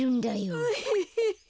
ウヘヘヘ。